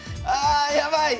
ああ！